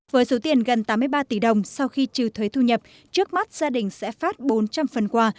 với số tiền gần tám mươi ba tỷ đồng sau khi trừ thuế thu nhập trước mắt gia đình sẽ phát bốn trăm linh phần quà